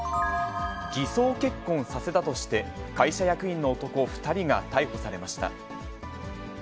偽装結婚させたとして、会社役員の男２人が逮捕されました。